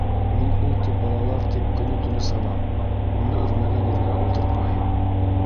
Мин ул тип, балалар тип, көнө-төнө сабам, уны өрмәгән ергә ултыртмайым.